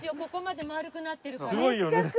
ここまで丸くなってるから。